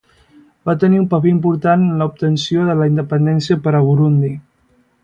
Va tenir un paper important en l'obtenció de la independència per a Burundi.